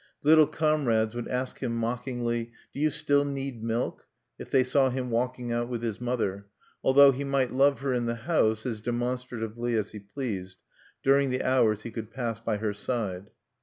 Little comrades would ask him mockingly, "Do you still need milk?" if they saw him walking out with his mother, although he might love her in the house as demonstratively as he pleased, during the hours he could pass by her side.